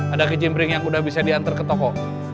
ada kejimpring yang udah bisa diantar ke toko